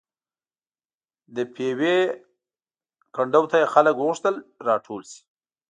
د پېوې کنډو ته یې خلک وغوښتل راټول شي.